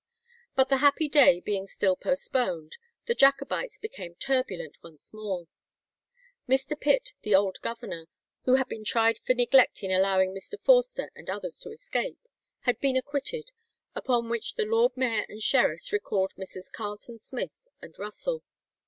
But the happy day being still postponed, the Jacobites became turbulent once more; Mr. Pitt, the old governor, who had been tried for neglect in allowing Mr. Forster and others to escape, had been acquitted, upon which the lord mayor and sheriffs recalled Messrs. Carleton Smith and Russell.